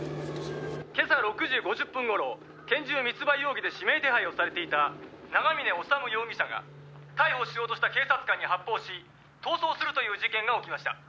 「今朝６時５０分頃拳銃密売容疑で指名手配をされていた長嶺修容疑者が逮捕しようとした警察官に発砲し逃走するという事件が起きました」